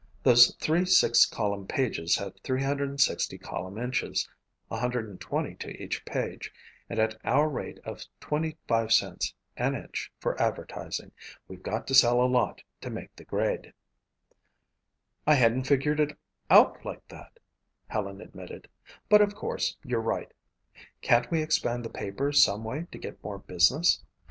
Those three six column pages have 360 column inches, 120 to each page, and at our rate of 25 cents an inch for advertising we've got to sell a lot to make the grade." "I hadn't figured it out like that," Helen admitted, "but of course you're right. Can't we expand the paper some way to get more business?